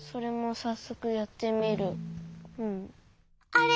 あれ？